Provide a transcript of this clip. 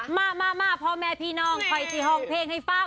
มามาพ่อแม่พี่น้องคอยที่ห้องเพลงให้ฟัง